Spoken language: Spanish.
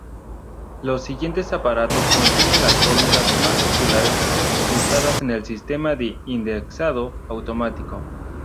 Los siguientes apartados contienen las fórmulas más populares usadas en sistemas de indexado automático.